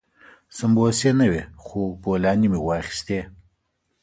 سمبوسې نه وې خو بولاني مو واخيستې.